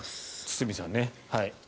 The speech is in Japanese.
堤さんね。